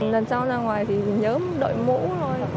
lần sau ra ngoài thì nhớ đội mũ thôi